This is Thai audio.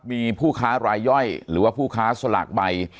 มีผู้ค้ารายย่อยหรือว่าผู้ค้าสลากใบ